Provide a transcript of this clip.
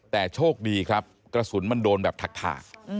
แต่โชคดีครับกระสุนมันโดนแบบถัก